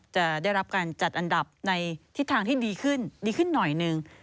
จะได้รับการจัดอันดับที่ทางที่ดีขึ้นหน่อยหนึ่ง